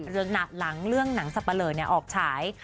เรื่องหนักหลังเรื่องหนังสับเปล่าเนี่ยออกฉาย